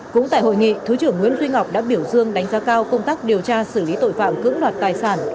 cũng tại hội nghị thứ trưởng nguyễn duy ngọc đã biểu dương đánh giá cao công tác điều tra xử lý tội phạm cưỡng đoạt tài sản